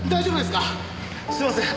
すいません